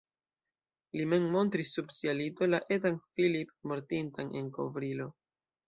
Li mem montris sub sia lito la etan Philippe mortintan en kovrilo.